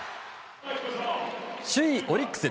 首位オリックス